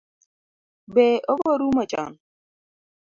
Be obo rumo chon?